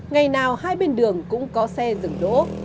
ngày nào hai bên đường cũng có xe dừng đỗ